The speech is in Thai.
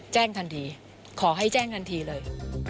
แจ้งทันทีขอให้แจ้งทันทีเลย